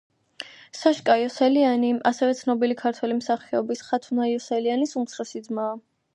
საშკა იოსელიანი ასევე ცნობილი ქართველი მსახიობის, ხათუნა იოსელიანის უმცროსი ძმაა.